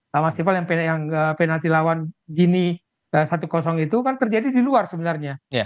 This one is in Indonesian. sama mas tifal yang penalti lawan gini satu kosong itu kan terjadi di luar sebenarnya